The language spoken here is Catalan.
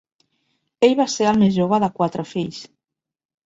Ell va ser el més jove de quatre fills.